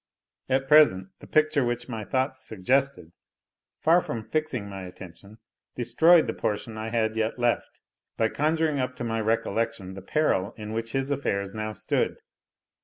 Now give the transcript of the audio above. At present, the picture which my thoughts suggested, far from fixing my attention, destroyed the portion I had yet left, by conjuring up to my recollection the peril in which his affairs now stood.